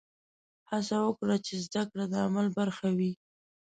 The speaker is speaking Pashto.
هڅه وکړه چې زده کړه د عمل برخه وي.